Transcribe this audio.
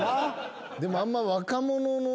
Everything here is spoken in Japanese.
でもあんま。